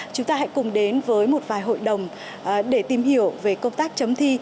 chúng ta hãy cùng đến với một vài hội đồng để tìm hiểu về công tác chấm thi